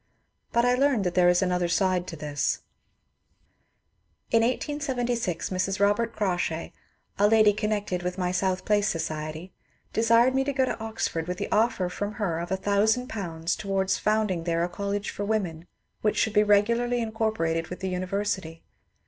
But I learned that there is another side to this. In 1876 Mrs. Robert Crawshay, a lady connected with my South Place society, desired me to go to Oxford with the offer from her of a thousand pounds towards founding there a college for women which should be regularly incorporated with the university.